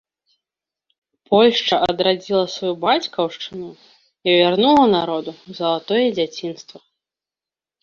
Польшча адрадзіла сваю бацькаўшчыну і вярнула народу залатое дзяцінства.